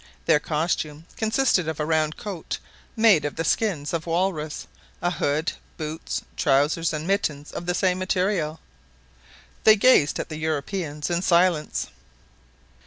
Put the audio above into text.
Their costume consisted of a round coat made of the skin of the walrus, a hood, boots, trousers, and mittens of the same material. They gazed at the Europeans in silence.